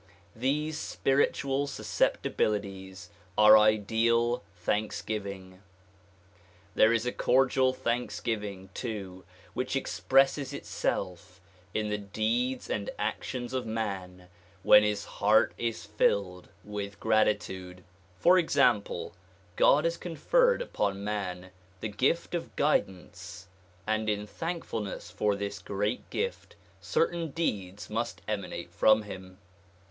These spiritual susceptibilities are ideal thanksgiving. There is a cordial thanksgiving too which expresses itself in the deeds and actions of man when his heart is filled with gratitude. For example, God has conferred upon man the gift of guidance and in thankfulness for this great gift certain deeds must emanate from him.